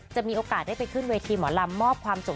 จะมีโอกาสได้ไปขึ้นเวทีหมอรัมมอบความจง